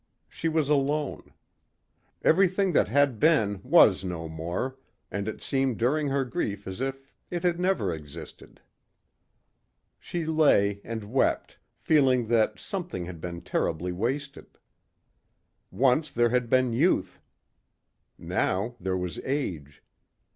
She was alone. Everything that had been was no more and it seemed during her grief as if it had never existed. She lay and wept, feeling that something had been terribly wasted. Once there had been youth. Now there was age.